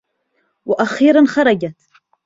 و أخيرا خرجت.